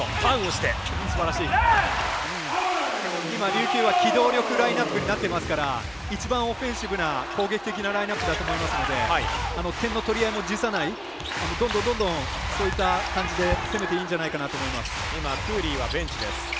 琉球は機動力ラインナップになってますから一番オフェンシブな攻撃的なラインナップだと思いますので点の取り合いも辞さないどんどんそういう形で攻めていいんじゃないかなと思います。